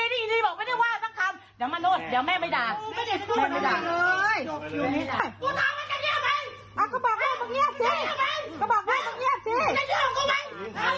ที่ประชาชนรุนเติม